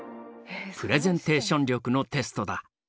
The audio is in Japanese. プレゼンテーション力のテストだ。